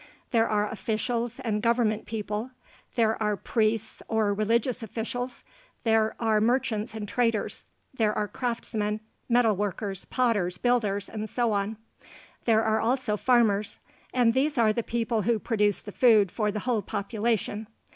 There are officials and government people; there are priests or religious officials; there are merchants and traders; there are craftsmen, metal workers, potters, builders, and so on; there are also farmers, and these are the people who produce the food for the whole population.